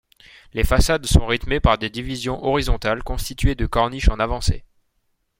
Les façades sont rythmées par des divisions horizontales constituées de corniches en avancée.